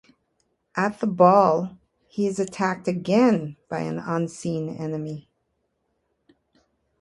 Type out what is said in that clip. At the ball, he is attacked again by an unseen enemy.